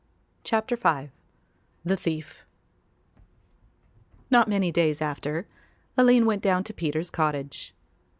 CHAPTER V THE THIEF Not many days after, Aline went down to Peter's cottage.